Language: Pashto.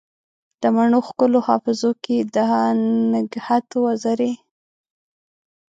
د مڼو ښکلو حافظو کې دنګهت وزرې